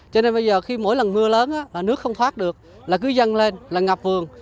cho nên bây giờ khi mỗi lần mưa lớn nước không thoát được là cứ dâng lên là ngập vườn